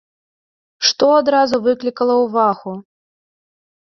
Што адразу выклікала ўвагу?